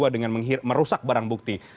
dengan merusak barang bukti